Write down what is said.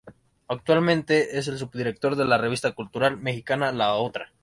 Actualmente es el subdirector de la revista cultural mexicana, "La Otra.